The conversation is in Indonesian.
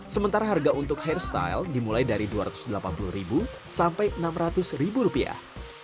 sementara harga untuk hairstyle dimulai dari dua ratus delapan puluh sampai enam ratus rupiah